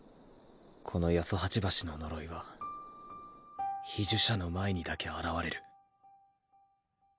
この八十八橋の呪いは被呪者の前にだけ現れる。